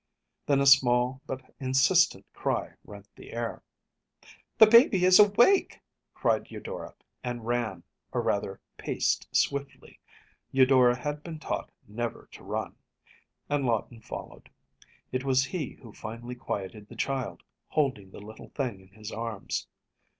‚ÄĚ Then a small but insistent cry rent the air. “The baby is awake!‚ÄĚ cried Eudora, and ran, or, rather, paced swiftly Eudora had been taught never to run and Lawton followed. It was he who finally quieted the child, holding the little thing in his arms.